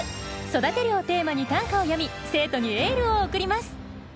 「育てる」をテーマに短歌を詠み生徒にエールを送ります。